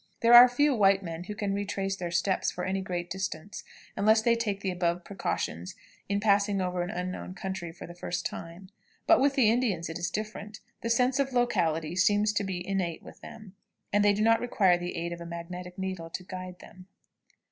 There are few white men who can retrace their steps for any great distance unless they take the above precautions in passing over an unknown country for the first time; but with the Indians it is different; the sense of locality seems to be innate with them, and they do not require the aid of the magnetic needle to guide them.